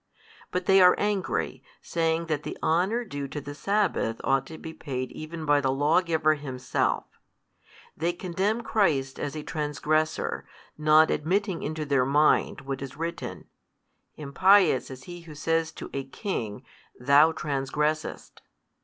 But they are angry, saying that the honour due to the sabbath ought to be paid even by the Law giver Himself; they condemn Christ as a transgressor, not admitting into their mind what is written, Impious is he who says to a king, Thou transgressest?